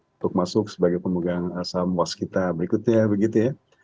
untuk masuk sebagai pemegang saham woskita berikutnya ya begitu ya